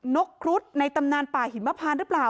กครุฑในตำนานป่าหิมพานหรือเปล่า